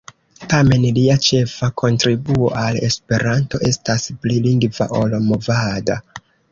Tamen, lia ĉefa kontribuo al Esperanto estas pli lingva ol movada.